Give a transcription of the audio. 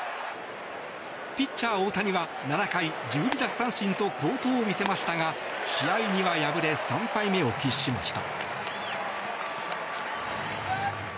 ピッチャー・大谷は７回１２奪三振と好投を見せましたが試合には敗れ３敗目を喫しました。